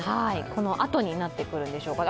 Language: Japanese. このあとになってくるんでしょうか。